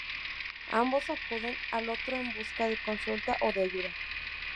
Ambos acuden al otro en busca de consulta o de ayuda.